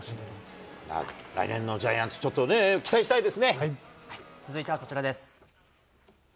来年のジャイアンツ、ちょっ続いてはこちらです。